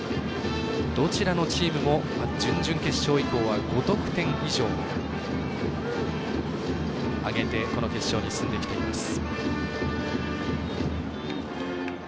どちらもチームも準々決勝以降は５得点以上挙げてこの決勝に進んできています。